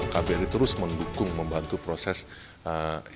kbri terus mendukung membantu proses evakuasi